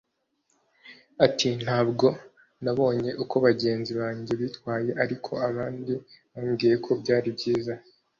Ati “Ntabwo nabonye uko bagenzi banjye bitwaye ariko abandi bambwiye ko byari byiza